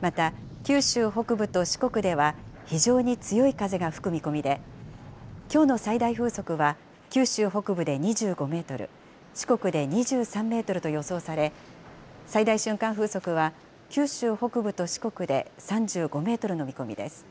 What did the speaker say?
また、九州北部と四国では非常に強い風が吹く見込みで、きょうの最大風速は、九州北部で２５メートル、四国で２３メートルと予想され、最大瞬間風速は、九州北部で四国で３５メートルの見込みです。